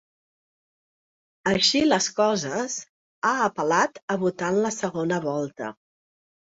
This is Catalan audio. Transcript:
Així les coses, ha apel·lat a votar en la segona volta.